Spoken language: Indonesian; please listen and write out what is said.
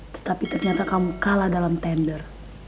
tetapi ternyata kamu kalah dalam tender